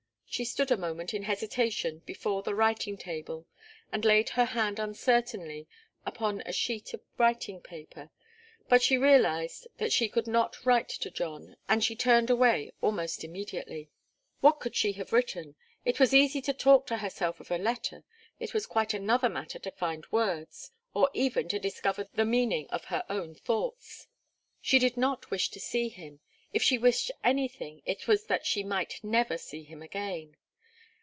She stood a moment in hesitation before the writing table, and laid her hand uncertainly upon a sheet of writing paper. But she realized that she could not write to John, and she turned away almost immediately. What could she have written? It was easy to talk to herself of a letter; it was quite another matter to find words, or even to discover the meaning of her own thoughts. She did not wish to see him. If she wished anything, it was that she might never see him again.